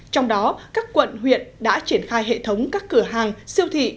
trong đó các quận huyện đã triển khai hệ thống các cửa hàng siêu thị